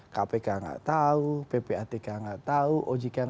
kpk gak tahu ppatk gak tahu ojk gak tahu